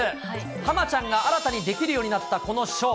ハマちゃんが新たにできるようになったこのショー。